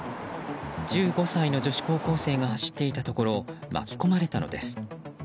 １５歳の女子高校生が走っていたところ巻き込まれたのです。